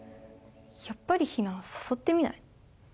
やっぱりヒナを誘ってみない？